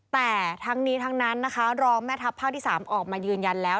แต่ทั้งนี้ทั้งนั้นนะคะรองแม่ทัพภาคที่๓ออกมายืนยันแล้ว